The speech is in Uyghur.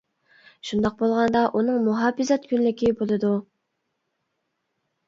شۇنداق بولغاندا ئۇنىڭ مۇھاپىزەت كۈنلۈكى بولىدۇ.